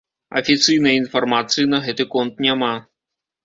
Афіцыйнай інфармацыі на гэты конт няма.